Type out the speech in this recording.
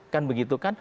kan begitu kan